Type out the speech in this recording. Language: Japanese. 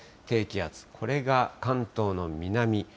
低気圧、これが関東の南。